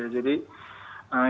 jadi ini juga harapan